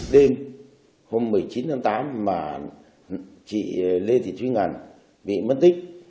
đêm hôm một mươi chín tháng tám mà chị lê thị thúy ngân bị mất tích